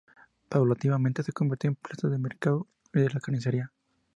Paulatinamente se convirtió en plaza de mercado y de la carnicería.